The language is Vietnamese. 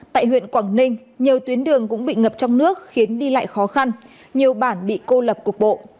tại huyện quảng ninh nhiều tuyến đường cũng bị ngập trong nước khiến đi lại khó khăn nhiều bản bị cô lập cục bộ